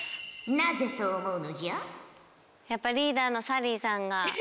なぜそう思うのじゃ？